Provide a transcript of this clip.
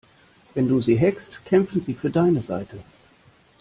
Wenn du sie hackst, kämpfen sie für deine Seite.